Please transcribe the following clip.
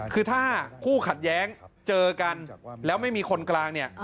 คือถ้าคู่ขัดแย้งเจอกันแล้วไม่มีคนกลางเนี่ย